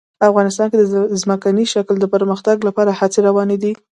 افغانستان کې د ځمکني شکل د پرمختګ لپاره هڅې روانې دي.